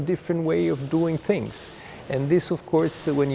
vì vậy tôi nghĩ người việt nam sẵn sàng để